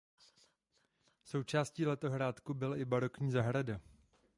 Součástí letohrádku byla i barokní zahrada.